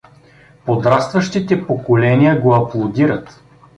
Подрастващите поколения го аплодират.